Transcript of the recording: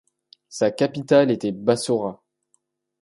Sa capitale était Bassora.